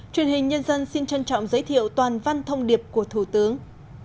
truyền hình nhân dân xin trân trọng giới thiệu toàn văn thông điệp của thủ tướng